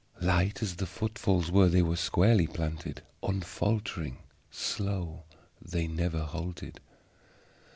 Light as the footfalls were, they were squarely planted, unfaltering; slow, they never halted.